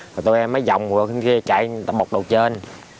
rồi tội em mới vòng qua bên kia chạy bọc đầu trên